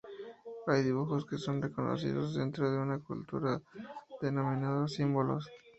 Hay dibujos que son reconocidos dentro de una cultura, denominados símbolos.